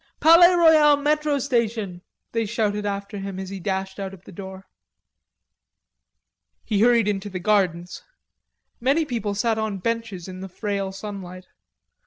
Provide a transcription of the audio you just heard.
"Palais Royal metro station," they shouted after him as he dashed out of the door. He hurried into the gardens. Many people sat on benches in the frail sunlight.